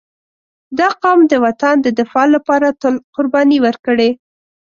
• دا قوم د وطن د دفاع لپاره تل قرباني ورکړې.